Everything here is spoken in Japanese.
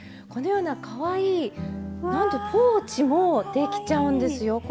このようなかわいいなんとポーチもできちゃうんですよ。